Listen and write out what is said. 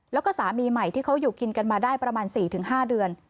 แล้วก็สามีใหม่ที่เขาอยู่กินกันมาได้ประมาณ๔๕เดือน